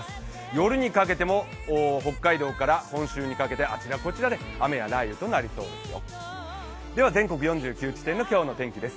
夜にかけても北海道から本州にかけてあちらこちらで雨や雷雨になりそうですよ。